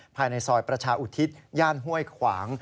ภายในซอยประชาอุทิศย่านห้วยขวาง